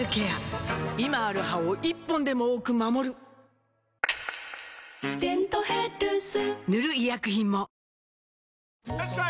今ある歯を１本でも多く守る「デントヘルス」塗る医薬品もよしこい！